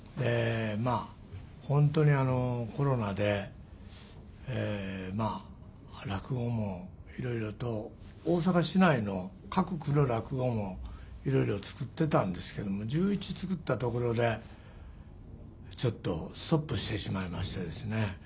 まあ本当にコロナで落語もいろいろと大阪市内の各区の落語もいろいろ作ってたんですけども１１作ったところでちょっとストップしてしまいましてですね。